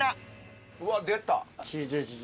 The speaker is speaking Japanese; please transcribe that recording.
うわ、出た！